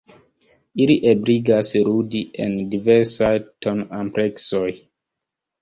Ili ebligas ludi en diversaj ton-ampleksoj.